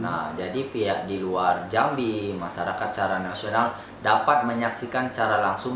nah jadi pihak di luar jambi masyarakat secara nasional dapat menyaksikan secara langsung